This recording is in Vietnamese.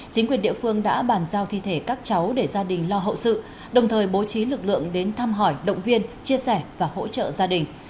chính quyền địa phương đã bàn giao thi thể các cháu để gia đình lo hậu sự đồng thời bố trí lực lượng đến thăm hỏi động viên chia sẻ và hỗ trợ gia đình